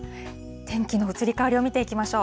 天気の移り変わりを見ていきましょう。